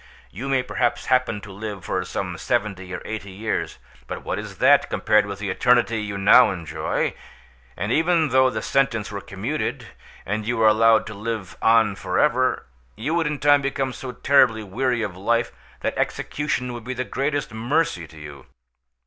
You may perhaps happen to live for some seventy or eighty years, but what is that, compared with the eternity you now enjoy? And even though the sentence were commuted, and you were allowed to live on for ever, you would in time become so terribly weary of life that execution would be the greatest mercy to you.